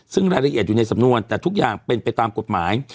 ซึ่งรายละเอียดอยู่ในสำนวนแต่ทุกอย่างเป็นไปตามกฎหมาย